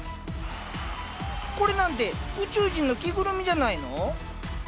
これなんて宇宙人の着ぐるみじゃないの？